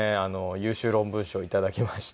優秀論文賞を頂きまして。